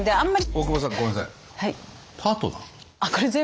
大久保さんごめんなさい。